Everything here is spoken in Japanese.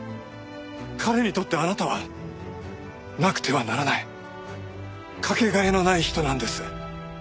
彼にとってあなたはなくてはならないかけがえのない人なんです。